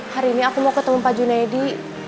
hari ini aku mau ketemu pak junaidi